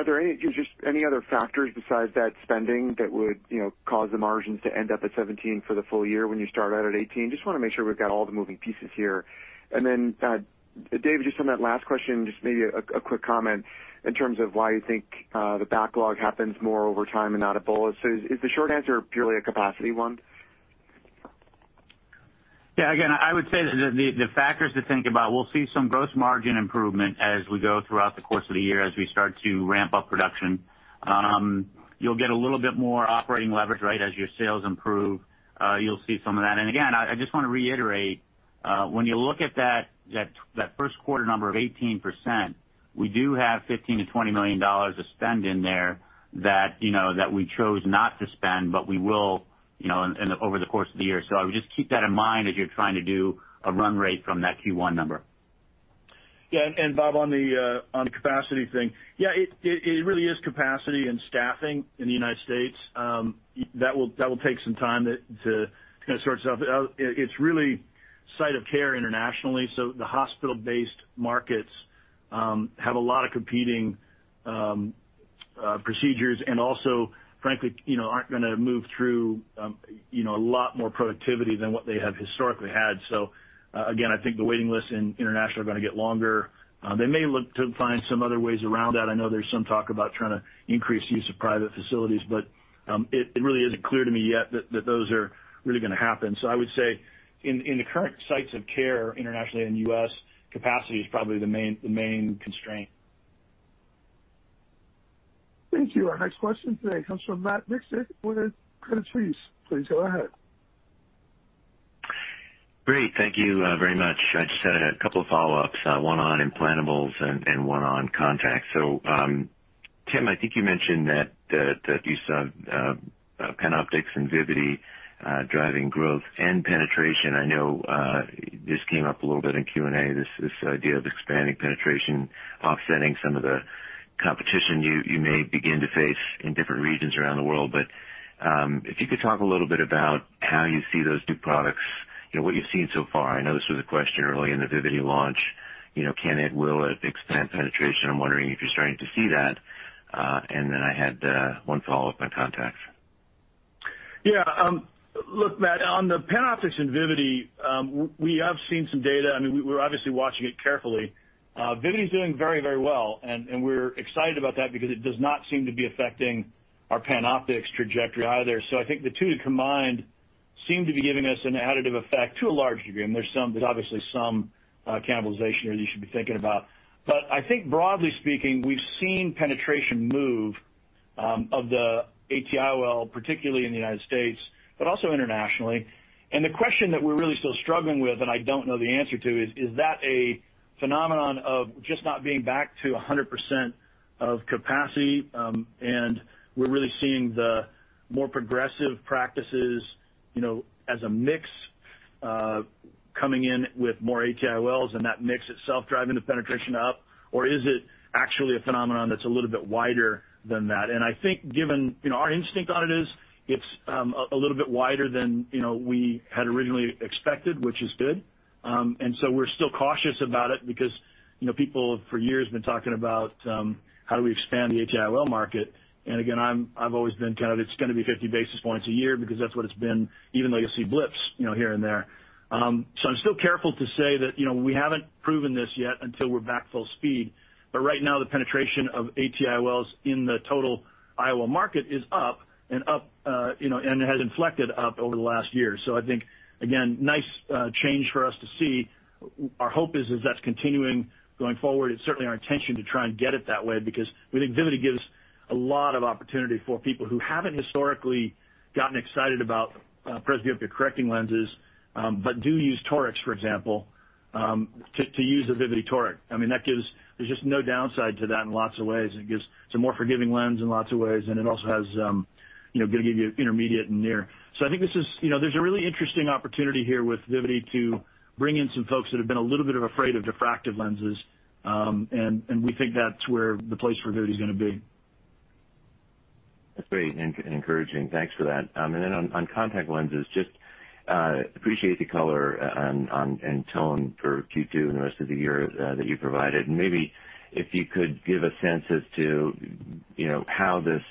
there any, just any other factors besides that spending that would, you know, cause the margins to end up at 17 for the full year when you start out at 18? Just wanna make sure we've got all the moving pieces here. David, just on that last question, just maybe a quick comment in terms of why you think the backlog happens more over time and not a bolus. Is the short answer purely a capacity one? Yeah, again, I would say that the factors to think about, we'll see some gross margin improvement as we go throughout the course of the year as we start to ramp up production. You'll get a little bit more operating leverage, right, as your sales improve. You'll see some of that. Again, I just wanna reiterate, when you look at that, that first quarter number of 18%, we do have $15 million-$20 million of spend in there that, you know, that we chose not to spend, but we will, you know, in the, over the course of the year. I would just keep that in mind as you're trying to do a run rate from that Q1 number. Bob, on the capacity thing, it really is capacity and staffing in the United States. That will take some time to kind of sort itself out. It's really site of care internationally. The hospital-based markets have a lot of competing procedures and also frankly, you know, aren't gonna move through, you know, a lot more productivity than what they have historically had. Again, I think the waiting lists in international are gonna get longer. They may look to find some other ways around that. I know there's some talk about trying to increase use of private facilities, but it really isn't clear to me yet that those are really gonna happen. I would say in the current sites of care internationally and U.S., capacity is probably the main constraint. Thank you. Our next question today comes from Matt Miksic with Credit Suisse. Please go ahead. Great. Thank you very much. I just had a couple follow-ups, one on implantables and one on contacts. Tim, I think you mentioned that you saw PanOptix and Vivity driving growth and penetration. I know this came up a little bit in Q&A, this idea of expanding penetration offsetting some of the competition you may begin to face in different regions around the world. If you could talk a little bit about how you see those new products, you know, what you've seen so far. I know this was a question early in the Vivity launch. You know, will it expand penetration? I'm wondering if you're starting to see that. I had one follow-up on contacts. Look, Matt, on the PanOptix and Vivity, we have seen some data. I mean, we're obviously watching it carefully. Vivity's doing very, very well, and we're excited about that because it does not seem to be affecting our PanOptix trajectory either. I think the two combined seem to be giving us an additive effect to a large degree, and there's obviously some cannibalization there you should be thinking about. I think broadly speaking, we've seen penetration move of the ATIOL, particularly in the U.S., but also internationally. The question that we're really still struggling with, and I don't know the answer to, is that a phenomenon of just not being back to 100% of capacity, and we're really seeing the more progressive practices, you know, as a mix, coming in with more ATIOLs and that mix itself driving the penetration up? Or is it actually a phenomenon that's a little bit wider than that? I think given, you know, our instinct on it is it's a little bit wider than, you know, we had originally expected, which is good. We're still cautious about it because, you know, people for years have been talking about, how do we expand the ATIOL market. Again, I'm, I've always been kind of, it's going to be 50 basis points a year because that's what it's been, even though you'll see blips, you know, here and there. I'm still careful to say that, you know, we haven't proven this yet until we're back full speed. Right now, the penetration of ATIOLs in the total IOL market is up and up, you know, and has inflected up over the last year. I think, again, nice change for us to see. Our hope is that's continuing going forward. It's certainly our intention to try and get it that way because we think Vivity gives a lot of opportunity for people who haven't historically gotten excited about presbyopia correcting lenses, but do use torics, for example, to use a Vivity Toric. I mean, there's just no downside to that in lots of ways. It's a more forgiving lens in lots of ways, and it also has, you know, gonna give you intermediate and near. I think this is, you know, there's a really interesting opportunity here with Vivity to bring in some folks that have been a little bit afraid of diffractive lenses. And we think that's where the place for Vivity is gonna be. That's great and encouraging. Thanks for that. Then on contact lenses, just appreciate the color on and tone for Q2 and the rest of the year that you provided. Maybe if you could give a sense as to, you know, how this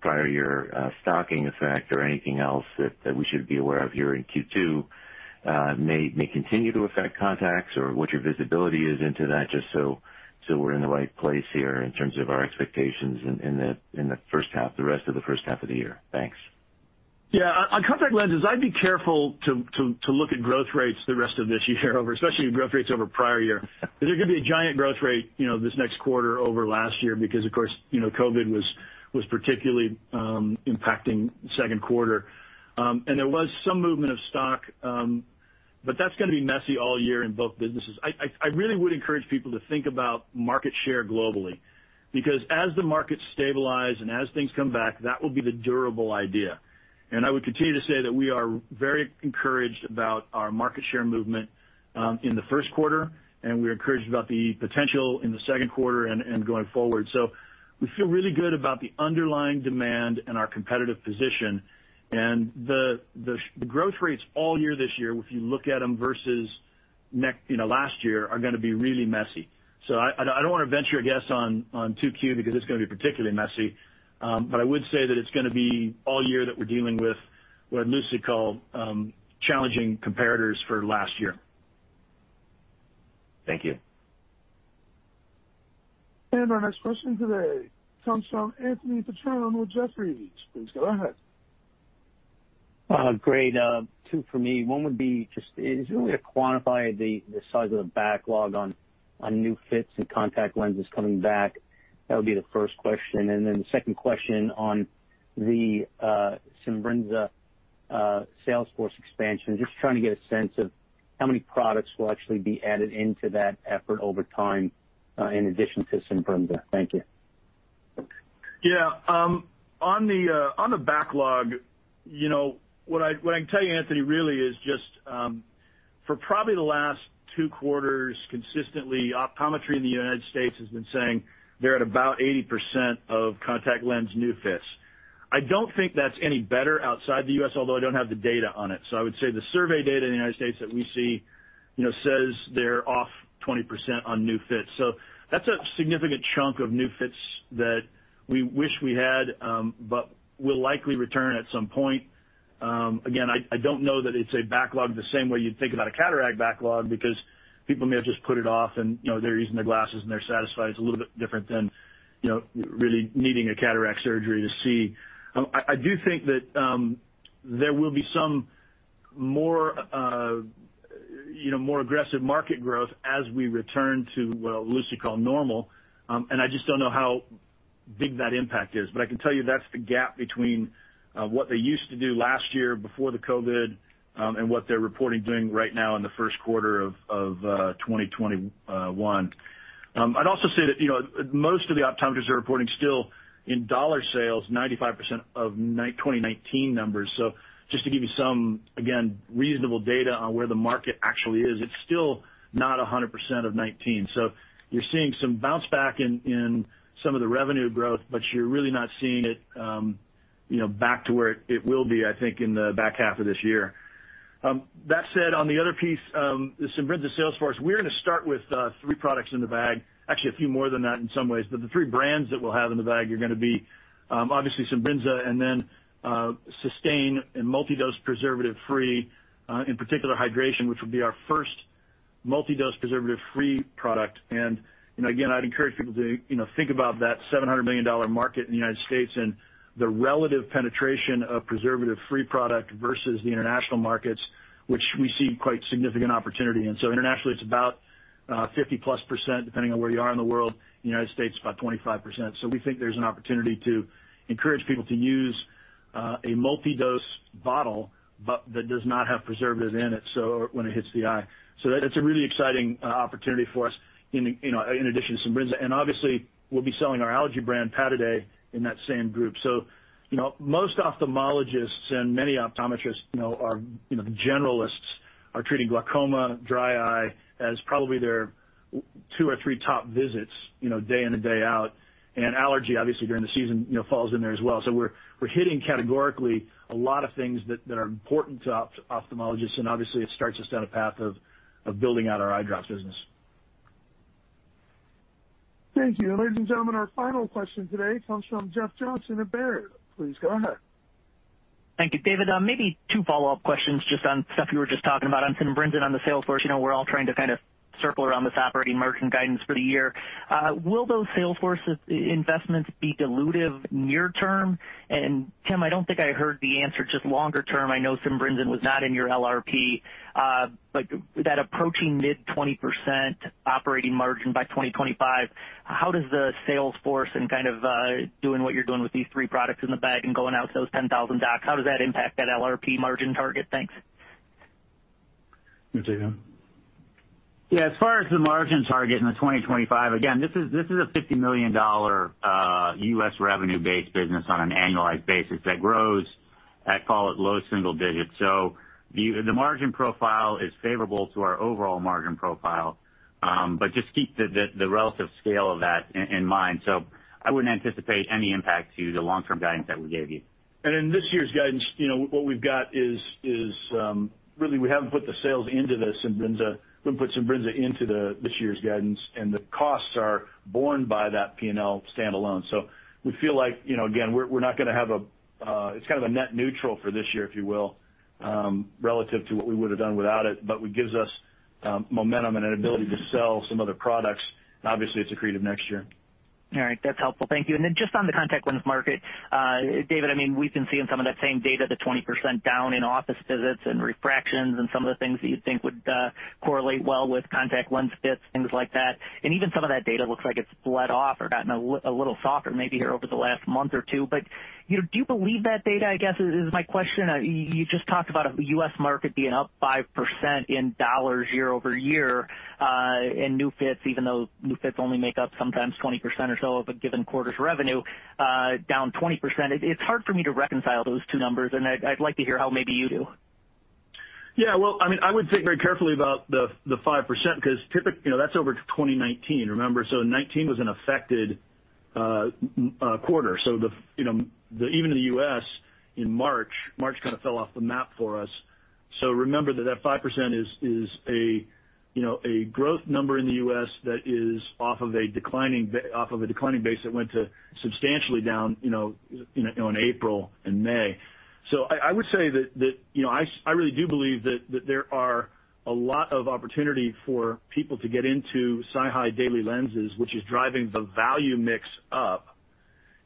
prior year stocking effect or anything else that we should be aware of here in Q2 may continue to affect contacts or what your visibility is into that, just so we're in the right place here in terms of our expectations in the first half, the rest of the first half of the year. Thanks. Yeah. On contact lenses, I'd be careful to look at growth rates the rest of this year over, especially growth rates over prior year. There could be a giant growth rate, you know, this next quarter over last year because of course, you know, COVID was particularly impacting second quarter. And there was some movement of stock, but that's gonna be messy all year in both businesses. I really would encourage people to think about market share globally because as the markets stabilize and as things come back, that will be the durable idea. I would continue to say that we are very encouraged about our market share movement in the first quarter, and we're encouraged about the potential in the second quarter and going forward. We feel really good about the underlying demand and our competitive position. The growth rates all year this year, if you look at them versus next, you know, last year, are gonna be really messy. I don't wanna venture a guess on 2Q because it's gonna be particularly messy. I would say that it's gonna be all year that we're dealing with what Lucy called, challenging comparators for last year. Thank you. Our next question today comes from Anthony Petrone with Jefferies. Please go ahead. Great. Two for me. One would be just, is there a way to quantify the size of the backlog on new fits and contact lenses coming back? That would be the first question. The second question on the Simbrinza sales force expansion. Just trying to get a sense of how many products will actually be added into that effort over time, in addition to Simbrinza. Thank you. On the backlog, you know, what I, what I can tell you, Anthony, really is just for probably the last two quarters consistently, optometry in the United States has been saying they're at about 80% of contact lens new fits. I don't think that's any better outside the U.S., although I don't have the data on it. I would say the survey data in the United States that we see, you know, says they're off 20% on new fits. That's a significant chunk of new fits that we wish we had, but will likely return at some point. Again, I don't know that it's a backlog the same way you'd think about a cataract backlog because people may have just put it off and, you know, they're using their glasses and they're satisfied. It's a little bit different than, you know, really needing a cataract surgery to see. I do think that, there will be some more, you know, more aggressive market growth as we return to what Lucy called normal. And I just don't know how big that impact is, but I can tell you that's the gap between what they used to do last year before the COVID, and what they're reporting doing right now in the first quarter of 2021. I'd also say that, you know, most of the optometrists are reporting still in dollar sales, 95% of 2019 numbers. Just to give you some, again, reasonable data on where the market actually is, it's still not 100% of 2019. You're seeing some bounce back in some of the revenue growth, but you're really not seeing it, you know, back to where it will be, I think, in the back half of this year. That said, on the other piece, the Simbrinza sales force, we're gonna start with three products in the bag. Actually, a few more than that in some ways. The three brands that we'll have in the bag are gonna be, obviously Simbrinza and then, Systane and multidose preservative-free, in particular Hydration, which will be our first multidose preservative-free product. You know, again, I'd encourage people to, you know, think about that $700 million market in the U.S. and the relative penetration of preservative-free product versus the international markets, which we see quite significant opportunity. Internationally, it's about 50%+, depending on where you are in the world. In the United States, about 25%. We think there's an opportunity to encourage people to use a multidose bottle, but that does not have preservative in it, so when it hits the eye. That's a really exciting opportunity for us in, you know, in addition to Simbrinza. Obviously, we'll be selling our allergy brand, Pataday, in that same group. You know, most ophthalmologists and many optometrists, you know, are, you know, the generalists are treating glaucoma, dry eye as probably their two or three top visits, you know, day in and day out. Allergy, obviously, during the season, you know, falls in there as well. We're hitting categorically a lot of things that are important to ophthalmologists, and obviously, it starts us down a path of building out our eye drops business. Thank you. Ladies and gentlemen, our final question today comes from Jeff Johnson at Baird. Please go ahead. Thank you, David. Maybe two follow-up questions just on stuff you were just talking about on Simbrinza and on the sales force. You know, we're all trying to kind of circle around this operating margin guidance for the year. Will those sales force investments be dilutive near term? Tim, I don't think I heard the answer just longer term. I know Simbrinza was not in your LRP. That approaching mid 20% operating margin by 2025, how does the sales force and kind of doing what you're doing with these three products in the bag and going out to those 10,000 docs, how does that impact that LRP margin target? Thanks. You take that one. As far as the margin target in 2025, again, this is a $50 million U.S. revenue-based business on an annualized basis that grows I'd call it low single digits. The margin profile is favorable to our overall margin profile. Just keep the relative scale of that in mind. I wouldn't anticipate any impact to the long-term guidance that we gave you. In this year's guidance, you know, what we've got is really we haven't put the sales into the Simbrinza. We haven't put Simbrinza into the, this year's guidance, and the costs are borne by that P&L standalone. We feel like, you know, again, we're not gonna have a it's kind of a net neutral for this year, if you will, relative to what we would have done without it. What gives us momentum and an ability to sell some other products, and obviously, it's accretive next year. All right. That's helpful. Thank you. Then just on the contact lens market, David, I mean, we've been seeing some of that same data, the 20% down in office visits and refractions and some of the things that you'd think would correlate well with contact lens fits, things like that. Even some of that data looks like it's bled off or gotten a little softer maybe here over the last month or two. You know, do you believe that data, I guess is my question. You just talked about a U.S. market being up 5% in dollars year-over-year, in new fits, even though new fits only make up sometimes 20% or so of a given quarter's revenue, down 20%. It's hard for me to reconcile those two numbers, and I'd like to hear how maybe you do. Well, I mean, I would think very carefully about the 5% 'cause you know, that's over 2019, remember. 2019 was an affected quarter. Even in the U.S. in March kind of fell off the map for us. Remember that that 5% is a, you know, a growth number in the U.S. that is off of a declining base that went to substantially down in April and May. I would say that I really do believe that there are a lot of opportunity for people to get into SiHy daily lenses, which is driving the value mix up,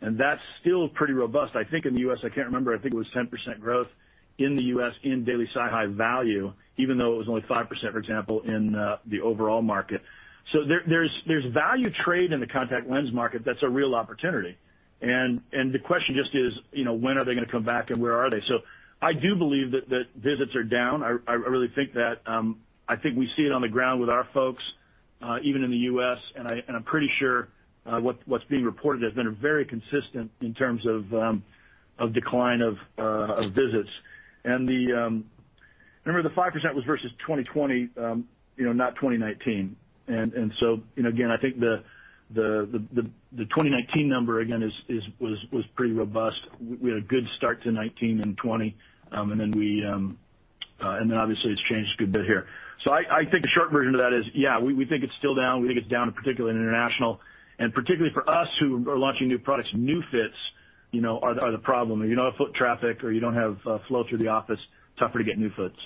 and that's still pretty robust. I think in the U.S., I can't remember, I think it was 10% growth in the U.S. in daily SiHy value, even though it was only 5%, for example, in the overall market. There's value trade in the contact lens market that's a real opportunity. The question just is, you know, when are they gonna come back and where are they? I do believe that visits are down. I really think that I think we see it on the ground with our folks, even in the U.S., and I'm pretty sure what's being reported has been very consistent in terms of decline of visits. Remember, the 5% was versus 2020, you know, not 2019. You know, again, I think the 2019 number again was pretty robust. We had a good start to 2019 and 2020, and then obviously it's changed a good bit here. I think the short version of that is, yeah, we think it's still down. We think it's down particularly in international. Particularly for us who are launching new products, new fits, you know, are the problem. You know, if foot traffic or you don't have flow through the office, tougher to get new fits.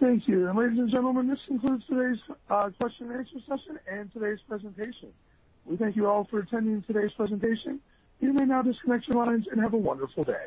Thank you. Ladies and gentlemen, this concludes today's question-and-answer session and today's presentation. We thank you all for attending today's presentation. You may now disconnect your lines and have a wonderful day.